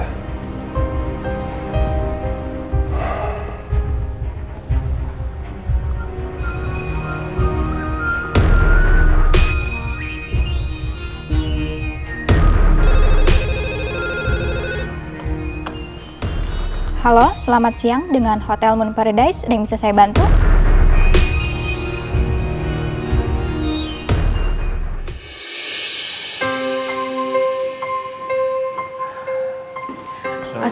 kalau aku biarkan denktang enggak sampe bentuk maka apa sebenernya ditang comida